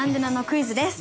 クイズです。